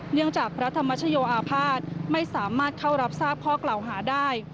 จากพระธรรมชโยอาภาษณ์ไม่สามารถเข้ารับทราบข้อกล่าวหาได้